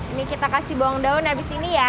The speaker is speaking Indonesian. ini kita kasih bawang daun abis ini ya